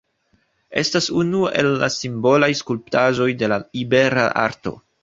Estas unu el la simbolaj skulptaĵoj de la ibera Arto.